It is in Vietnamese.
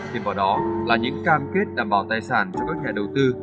hiệp hội đó là những cam kết đảm bảo tài sản cho các nhà đầu tư